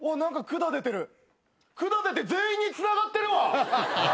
管出て全員につながってるわ！